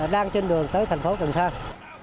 đang trên đường tới thành phố cần thang